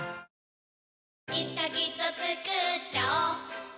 いつかきっとつくっちゃおう